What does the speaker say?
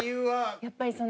やっぱりその。